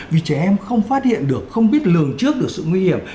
vì trẻ em không phát hiện được không biết lường trước được sự nguy hiểm